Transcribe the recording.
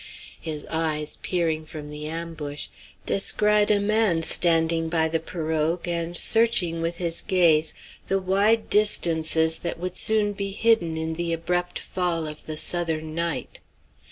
His eyes, peering from the ambush, descried a man standing by the pirogue and searching with his gaze the wide distances that would soon be hidden in the abrupt fall of the southern night.